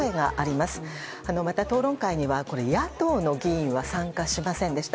また討論会には野党の議員は参加しませんでした。